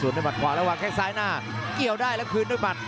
โดนด้วยบัตรขวาแล้ววางแค่ซ้ายหน้าเกี่ยวได้แล้วพื้นด้วยบัตร